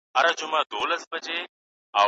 زه اوږده وخت کتابتون ته ځم وم.